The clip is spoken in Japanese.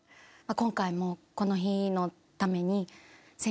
今回もこの日のために。